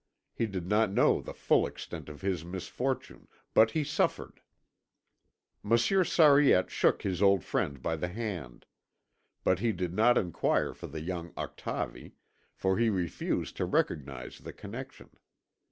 He did not know the full extent of his misfortune, but he suffered. Monsieur Sariette shook his old friend by the hand; but he did not enquire for the young Octavie, for he refused to recognise the connexion.